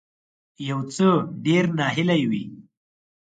یو څه ډیر ناهیلی وي